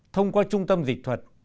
thông qua trung tâm dịch thuật